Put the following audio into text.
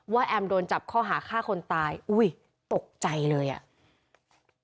แอมโดนจับข้อหาฆ่าคนตายอุ้ยตกใจเลยอ่ะ